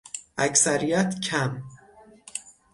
اکثریت کم